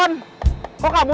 tete aku mau